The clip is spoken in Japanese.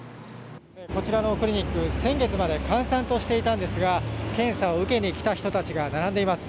こちらのクリニック先月まで閑散としていたんですが検査を受けに来た人たちが並んでいます。